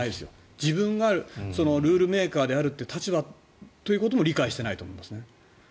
自分がルールメーカーであるという立場であることも理解していないと思いますね。